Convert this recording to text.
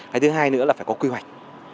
cái thứ hai nữa là phải có quy hoạch